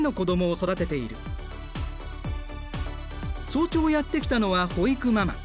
早朝やって来たのは保育ママ。